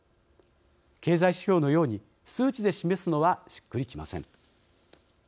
経済指標のように数値で示すのはしっくりきません。